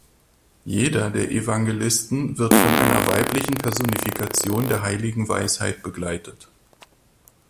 Jeder der Evangelisten wird von einer weiblichen Personifikation der heiligen Weisheit begleitet.